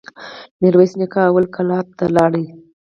ميرويس نيکه لومړی کلات ته لاړ.